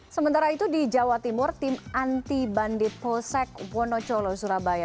sementara itu di jawa timur tim anti bandit polsek wonocolo surabaya